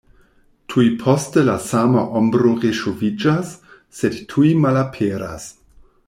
Tuj poste la sama ombro reŝoviĝas, sed tuj malaperas.